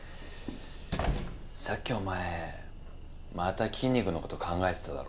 さっきお前また筋肉のこと考えてただろ？